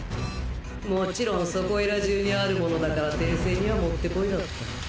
もちろんそこいらじゅうにあるものだから転生にはもってこいだった。